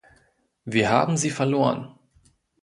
Wir haben sie verloren.